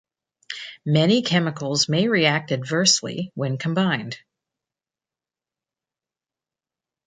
Many chemicals may react adversely when combined.